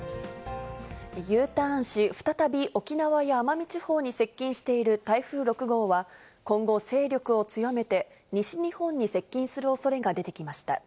Ｕターンし、再び沖縄や奄美地方に接近している台風６号は、今後、勢力を強めて西日本に接近するおそれが出てきました。